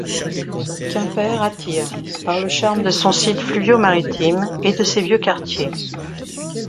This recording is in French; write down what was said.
Quimper attire, par le charme de son site fluvio-maritime et de ses vieux quartiers.